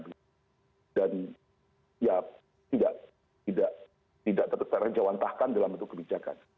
dan ya tidak tetap terkejar wantahkan dalam bentuk kebijakan